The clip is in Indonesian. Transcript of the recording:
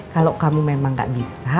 kalau kamu memang gak bisa